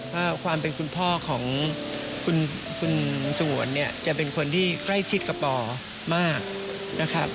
ว่าความเป็นคุณพ่อของคุณสงวนเนี่ยจะเป็นคนที่ใกล้ชิดกับปอมากนะครับ